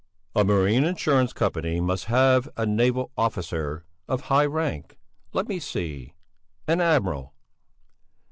"A marine insurance company must have a naval officer of high rank. Let me see! An admiral."